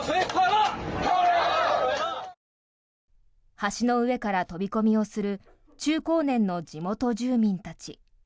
橋の上から飛び込みをする中高年の地元住民たち。